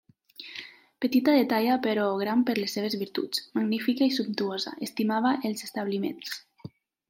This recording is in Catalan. Petita de talla però gran per les seves virtuts; magnífica i sumptuosa, estimava els establiments.